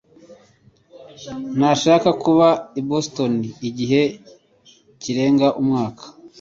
ntashaka kuba i Boston igihe kirenga umwaka